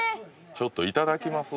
ちょっといただきます？